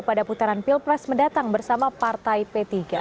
pada putaran pilpres mendatang bersama partai p tiga